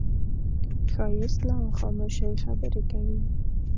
ښایست له خاموشۍ خبرې کوي